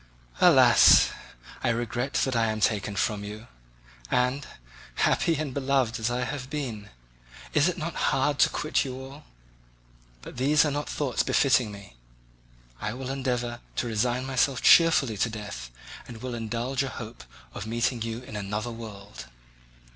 Alas! I regret that I am taken from you; and, happy and beloved as I have been, is it not hard to quit you all? But these are not thoughts befitting me; I will endeavour to resign myself cheerfully to death and will indulge a hope of meeting you in another world."